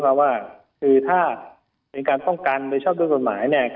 ตัวนี้คือส่วนเขาเข้าไปยิงซ้ำอีก๓นับ